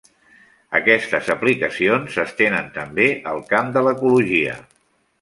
Aquestes aplicacions s'estenen també al camp de l'ecologia.